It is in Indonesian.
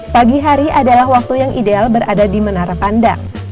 pagi hari adalah waktu yang ideal berada di menara pandang